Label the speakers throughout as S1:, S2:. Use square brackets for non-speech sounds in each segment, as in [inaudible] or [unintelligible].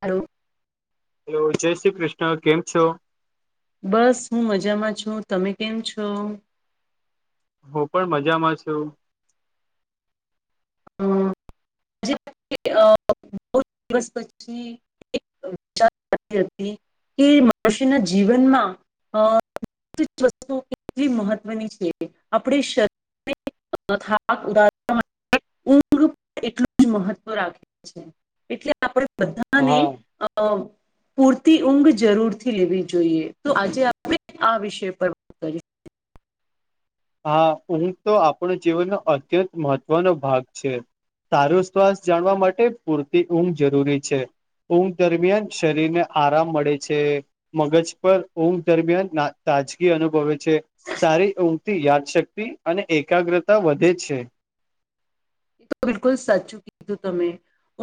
S1: હાલો.
S2: Hello જય શ્રી કૃષ્ણ કેમ છો?
S1: બસ હું મજામાં છું, તમે કેમ છો?
S2: હું પણ મજામાં છું.
S1: [inaudible] બો દિવસ પછી [unintelligible] વિચાર હતી કે મનુષ્યના જીવનમાં અ [unintelligible] વસ્તુ કેટલી મહત્વની છે, આપણે શ [unintelligible] તથા ઉદાહરણ [unintelligible] એટલું જ મહત્વ રાખે છે, એટલે આપણે બધાને
S2: હા
S1: અ પૂરતી ઊંઘ જરૂરથી લેવી જોઈએ તો આજે આપણે આ વિષય પર વાત કરી
S2: હા ઊંઘ તો આપણ જીવનનો અત્યંત મહત્વનો ભાગ છે સારું શ્વાસ જાણવા માટે પૂરતી ઊંઘ જરૂરી છે. ઊંઘ દરમિયાન શરીર ને આરામ મળે છે મગજ પર ઊંઘ દરમિયાન નાતા રાજકી અનુભવે છે સારી ઊંઘ થી યાદશક્તિ અને એકાગ્રતા વધે છે.
S1: એ તો બિલકુલ સાચું કીધું તમે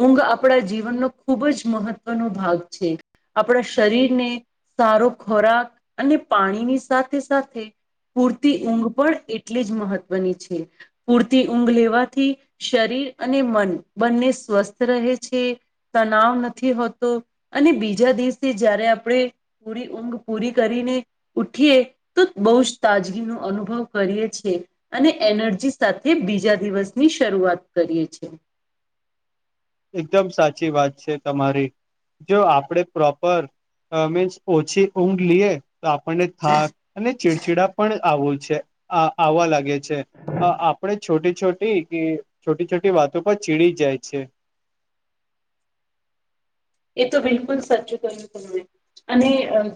S1: ઊંઘ આપણા જીવનનો ખૂબ જ મહત્વનો ભાગ છે. આપણા શરીરને સારો ખોરાક અને પાણીની સાથે સાથે પૂરતી ઊંઘ પણ એટલી જ મહત્વની છે, પૂરતી ઊંઘ લેવાથી શરીર અને મન બંને સ્વસ્થ રહે છે, તનાવ નથી હોતો અને બીજા દિવસેથી જયારે આપણે પૂરી ઊંઘ પૂરી કરીને ઉઠીએ તો બો વ જ તાજગીનો અનુભવ કરીએ છે અને એનર્જી સાથે બીજા દિવસની શું શરૂઆત કરીએ છે.
S2: એકદમ સાચી વાત છે, તમારી જો આપણેે પ્રોપર અ મીન્સ ઓછી ઊંંધ લઈએ તો આપણને થાક અને ચીડછીડા પણ આવો છે આ આવવા લાગે છે, અ આપણે છોટી છોટી કે છોટી છોટી વાતો પર ચીડી જાય છે.
S1: એ તો બિલકુલ સાચું કયુ તમે અને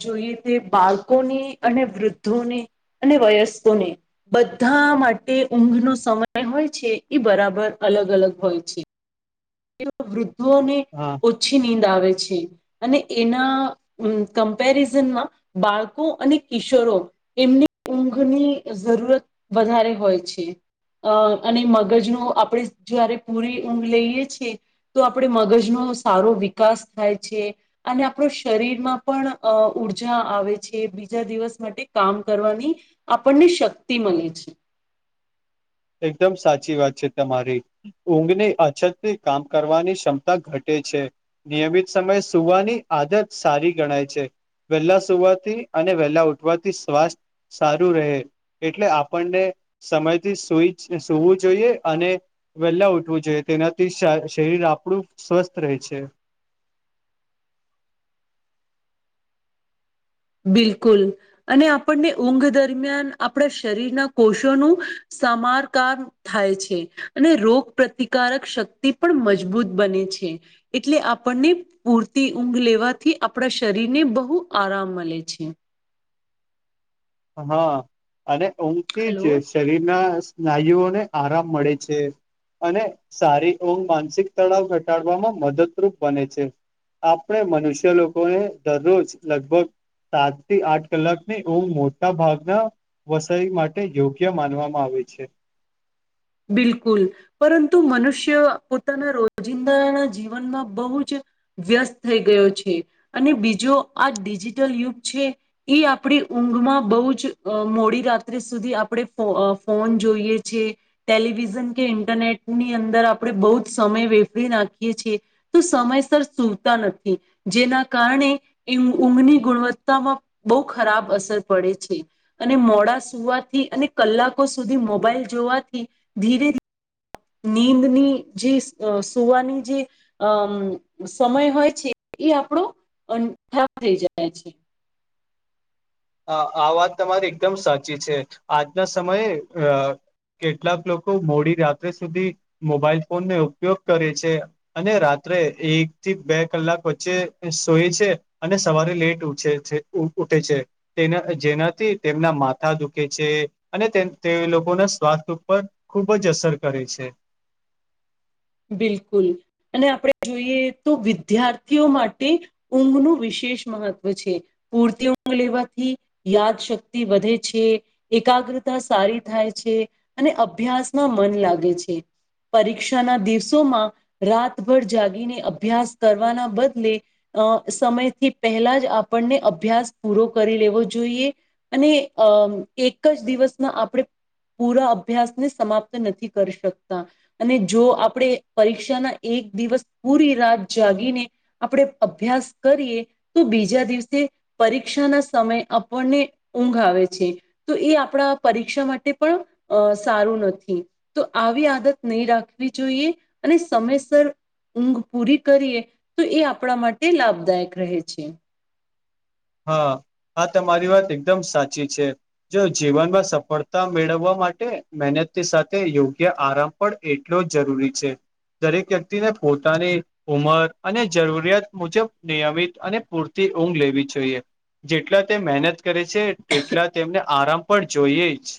S1: જોઈએ તે બાળકોને અને વૃદ્ધોને અને વયસ્કોને બધા માટે ઊંઘનો સમય હોય છે, એ બરાબર અલગ અલગ હોય છે. એ વૃદ્ધોને
S2: હા
S1: ઓછી નીંદ આવે છે, અને એના કમ્પેરિઝનમાં બાળકો અને કિશોરો એમની ઊંઘ ઘની જરૂરત વધારે હોય છે. અ અને મગજનો આપડે જયારે પૂરી ઊંઘ લઈએ છે. તો આપડે મગજનો સારો વિકાસ થાય છે, અને આપણો શરીરમાં પણ અ ઊર્જા આવે છે, બીજા દિવસ માટે કામ કરવાની આપણને શક્તિ મલે છે.
S2: એકદમ સાચી વાત છે, તમારી ઊંઘની અછતથી કામ કરવાની ક્ષમતા ઘટે છે નિયમિત સમય સુવાની આદત સારી ગણાય છે. વહેલા સુવાથી અને વહેલા ઉઠવાથી સ્વાસ્થ્ય સારું રહે એટલે આપણને સમયથી. ટુઈચ સુવું જોઈએ અને વહેલા ઉઠવું જોઈએ તેનાથી શ શરીર આપણું સ્વસ્થ રહેે છે.
S1: બિલકુલ અને આપણને ઊંઘ દરમિયાન આપણા શરીરના કોષોનું સમારકામ થાય છે, અને રોગ પ્રતિકારક શક્તિ પણ મજબૂત બને છે. એટલે આપણને પૂરતી ઊંઘ લેવાથી આપણા શરીરને બહુ આરામ મળે. લે છે.
S2: હા અને ઊંઘથી જ
S1: હલો
S2: શરીરના સ્નાયુઓને આરામ મળે છે. અને સારી ઊંઘ માનસિક તળાવ ઘટાડવામાં મદદરૂપ બને છે. આપણે મનુષ્ય લોકોને દરરોજ લગભગ સાત થી આઠ કલાક ને એવું મો ટા ભાગના વસાઈ માટે યોગ્ય માનવામાં આવે છે.
S1: બિલકુલ પરંતુ મનુષ્ય પોતાના રોજિંદાના જીવનમાં બહુ જ વ્યસ્ત થઈ ગયો છે, અને બીજો આ ડિજિટલ યુગ છે, એ આપડી ઊંઘમાં બહ જ મોડી રાત્રે સુધી આપણે ફોન જોઈએ છે. ટેલિવિઝન કે ઇન્ટરનેટની અંદર આપણે બહુ જ સમય વેફરી નાખીએ છીએ તો સમય તા નથી જેના કારણે ઊંઘની ગુણવત્તામાં બહુ ખરાબ અસર પડે છે, અને મોડા સુવાથી અને કલાકો સુધી મોબાઈલ જોવાથી ધીરે ધી નીંદની જે અ સુવાની જે અમ સમય હોય છે. એ આપણો અંઠાર થઈ જાય છે.
S2: અ આ વાત તમારી એકદમ સાચી છે, આજના સમયે અ કેટલાક લોકો મોડી રાત્રે સુધી મોબાઈલ ફોનને ઉપયોગ કરે છે, અને ત્રે એક થી બે કલાક વચ્ચે સોય છે, અને સવારે લેટ ઉઠે છે. ઉટે છે. તેના જેનાથી તેમના માથા દુખે છે, અને તે લોકોના સ્વાસ્થ ઉપર ખૂબ જ અસર કરે છે.
S1: બિલકુલ અને આપણે જોઈએ તો વિદ્યાર્થીઓ માટે ઊંઘનું વિશે શેષ મહત્વ છે, પૂરતિ ઉ લેવાથી યાદ શક્તિ વધે છે એકા ગ્રતા સારી થાય છે, અને અભ્યાસમાં મન લાગે છે, પરીક્ષા ના દિવ વસોમાં રાતભર જાગીને અભ્યાસ કરવાના બદલે અ સમયથી પહેલા જ આપણને અભ્યાસ પૂરો કરી લેવો જોઈએ અને અ એક જ દિવ આપણે પૂરા અભ્યાસ ને સમાપ્ત નથી કરી શકતા અને જો આપ આપણે પરીક્ષાના એક દિવસ પૂરી રાત જાગીને આપણે અભ્યાસ કરીએ તો બીજા દિવસે પરીક્ષા ના સમય આપણને ઊંઘ આવે છે, તો એ આપ આપ પરીક્ષા માટે પણ સારું નથી તો આવી આદત નહીં રાખવી જોઈએ અને સમયસર ઊંઘ પૂરી કરીએ તો એ આપણા માટે લાભદાયક રહે છે.
S2: હા. આ તમારી વાત એકદમ સાચી છે, જો જીવનમાં સફળતા મેળવવા માટે મેને સાથે યોગ્ય આરામ પણ એટલો જરૂરી છે. દરેક વ્યક્તિને પોતાની ઉંમર અને જરૂરિયાત મુજબ નિયમિત અને પૂરતી ઊંઘ લેવી જોઈએ જેટલા તે મહેનત કરે છે, તેટલા તેમને આરામ પણ જોઈએ જ [inaudible]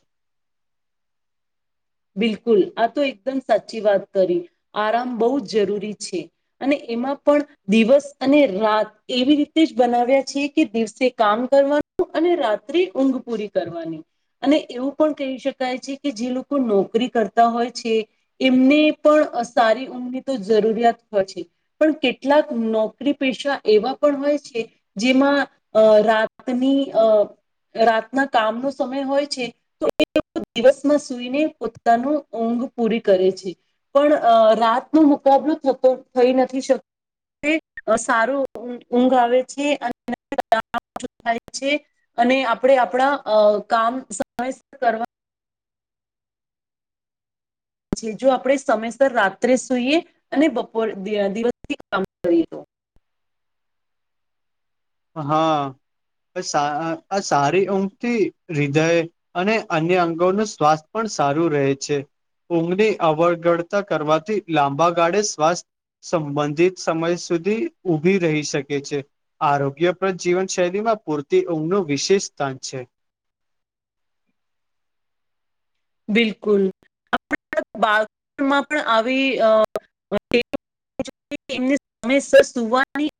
S1: બિલકુલ આ તો એકદમ સાચી વાત કરી આરામ બહુ જ જરૂરી છે, અને એમાં પણ દિવસ અને રાત એવી રીતે જ બનાવ્યા છીએ કે દિવસે કામ કરવાનું અને રાત્રિ ઊંઘ પૂરી કરવાની અને એવું પણ કહી શકાય છે કે જે લોકો નોકરી કરતા હોય છે, એમને પણ અ સારી ઉંઘ તો જરૂરિયાત હોય છે. પણ કેટલાક નોકરી પેશા એવા પણ હોય છે, જેમાં અ રા તની અ રાતના કામ નો સમય હોય છે, તો એ દિવસમાં સુઈને પોતાનું ઊંઘ પૂરી કરે છે પણ અ રાતનો મુકાબલો થતો. થઈ નથી શક તે સારું ઊંઘ ઊંઘ આવે છે, અને [unintelligible] [unintelligible] છે, અને આપડે આપણા અ કામ સમયસર કરવા. છે, જો આપડે સમયસર રાત્રે સુઈએ અને બપોર [unintelligible] દિવસ. કામ કરીએ
S2: હા. અ [unintelligible] સારી ઊંઘથી હિદય અને અન્ય અંગો નું સ્વાસ્થ પણ. સારું રહે છે, ઊંઘની અવગડતા કરવાથી લાંબા ગાળે શ્વાસ. સંબંધિત સમય સુધી ઉભી રહી શકે છે, આરોપ. [unintelligible] જીવનશૈલીમાં પૂરતી ઊંઘનું વિશેષ સ્થાન છે.
S1: બિલકુલ [unintelligible] બાળપણ માં પણ આવી અ [unintelligible] એમની [unintelligible] સુવાની.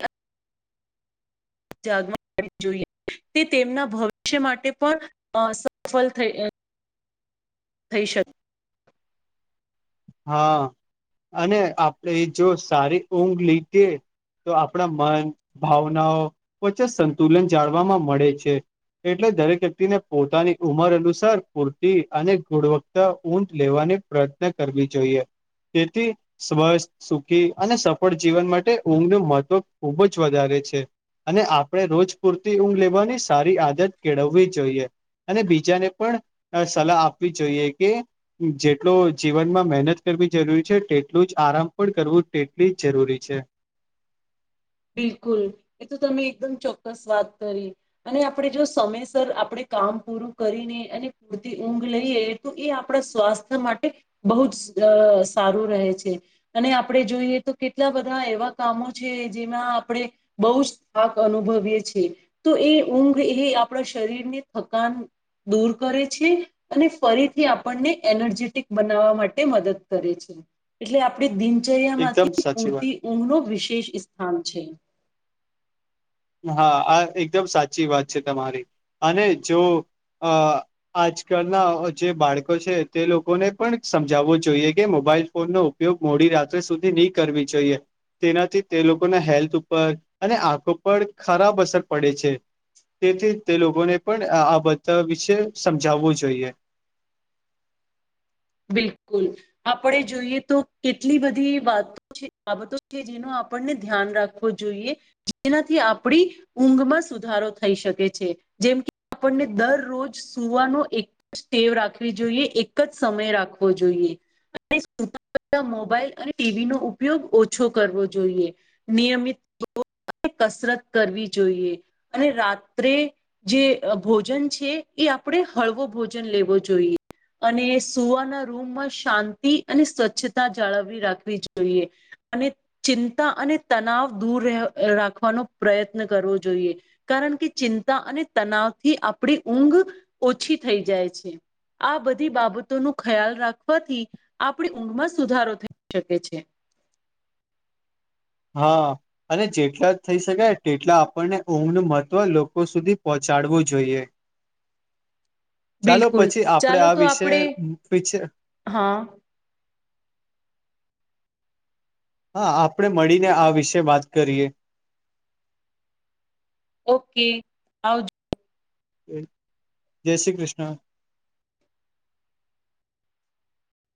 S1: [unintelligible] જોઈએ. તે તેમના ભવિષ્ય માટે પણ અ સફળ થઈ. થઈ શકે
S2: હા અને આપડે જો સારી ઊંઘ લીધીએ તો આપણા મન ભાવનાઓ વચ્ચે સંતુલન જાળવાવામાં મળે છે. એટલે દરેક વ્યક્તિને પોતાની ઉંમર અનુસાર પૂરતી અને ગુણવત્તા ઊંઘ લેવાની પ્રયત્ન કરવી જોઈએ તેથી સ્વસ્થ સુખી અને સફળ જીવન માટે ઊંઘનું મહત્વ ખુબ જ વધારે. છે, અને આપણે રોજ પૂરતી ઊંઘ લેવાની સારી આદત કેળવવી જોઈએ. અને બીજાને પણ અ સલાહ આપવી જોઈએ કે જેટલો. જીવનમાં મહેનત કરવી જરૂરી છે, તેટલું જ આરામ પણ કરવું તેટલી જ જરૂરી છે.
S1: બિલકુલ એ તો તમે એકદમ ચોક્કસ વાત કરી અને આપણેે જો સમયસર આપણે. કામ પૂરું કરીને અને પૂરતી ઊંઘ લઈએ તો એ આપણા સ્વાસ્થ્ય માટે બહુ જ. અ સારું રહે છે, અને આપડે જોઈએ તો કેટલા બધા એવા કામો છે. જેમાં આપણે બહુ જ થાક અનુભવીએ છીએ તો એ ઊંઘ એ આપણા શરી ની થકાન. દૂર કરે છે, અને ફરીથી આપણને એનર્જેટિક બનાવવા માટે મદદ કરે છે. એટલે આપડે દિન.
S2: એકદમ
S1: [unintelligible]
S2: સાચી
S1: પૂરતી ઊંઘ નું વિશેષ સ્થાન છે.
S2: હા આ એકદમ સાચી વાત છે, તમારી અને જો. અ આજકાલના જે બાળકો છે, તે લોકોને પણ સમજાવવું જોઈએ કે મોબા મોબાઈલ ફોન નો ઉપયોગ મોડી રાત્રે સુધી નહી કરવી જોઈએ. તેનાથી તે લોકોના હેલ્થ ઉપર અને આંખો પર ખરાબ અસર પડે છે. તેથી તે લોકોને પણ અ આ બધા વિશે સમજાવવું જોઈએ.
S1: બિલકુલ આપણે જોઈએ તો કેટલી બધી વાતો છે, બાબતો છે, જેનો આપ આપણને ધ્યાન રાખવું જોઈએ જેનાથી આપણી ઊંઘમાં સુધારો થઈ શકે છે. જેમ કે આપણને દરરોજ સુવાનો એક સ્ટેવ રાખવી જોઈએ એક જ. સમય રાખવો જોઈએ. [unintelligible] મોબાઈલ અને ટીવી નો ઉપયોગ ઓછો કરવો જોઈએ નિયમિત. જો. કસરત કરવી જોઈએ અને રાત્રે જે ભોજન છે, એ. આપણે હળવો ભોજન લેવો જોઈએ અને. સુવાના રૂમમાં શાંતિ અને સ્વચ્છતા જાળવવી રાખવી જોઈએ અને. ચિંતા અને તનાવ દૂર રેહ રાખવાનો પ્રયત્ન કરવો જોઈએ કારણ કે ચિંતા અને તનાવથી આપણી ઊંઘ ઓછી થઈ જાય છે, આ બધી બાબ તોનું ખ્યાલ રાખવાથી આપણી ઊંઘમાં સુધારો થઈ શકે છે.
S2: [inaudible] હા અને જેટલા થઈ શકે તેટલા આપણને ઊંઘનું મહત્વ લોકો સુધી પહોંચાડવું જોઈએ. ચાલો
S1: બિલકુલ
S2: પછી આપડે
S1: ચાલો
S2: આ
S1: તો
S2: વિશે
S1: આપણે
S2: વિછે
S1: હા
S2: હા આપણે મળીને આ વિશે વાત કરીએ
S1: ઓકે આવ
S2: જય શ્રી કૃષ્ણ